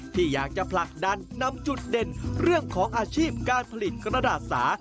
ที่อยากจะผลักดันนำจุดเด่นเรื่องของอาชีพการผลิตกระดาษสา